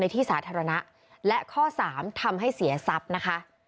ที่สาธารณะและข้อสามทำให้เสียทรัพย์นะคะ